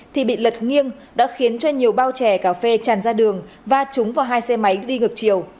thì bị lật nghiêng đã khiến cho nhiều bao chè cà phê tràn ra đường và trúng vào hai xe máy đi ngược chiều